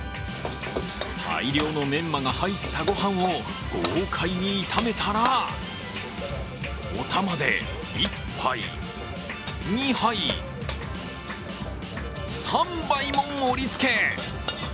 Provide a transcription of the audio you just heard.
大量のメンマが入ったごはんを豪快に炒めたらお玉で１杯、２杯、３杯も盛り付け！